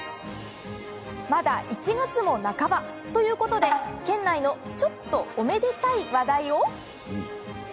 まだ１月も半ばということで県内のちょっとおめでたい話題を。